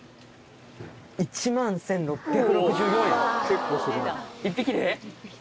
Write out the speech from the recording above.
１万１６６４円！